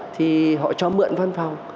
thì họ cho mượn văn phòng